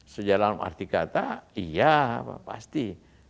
sejalan arti kata iya pasti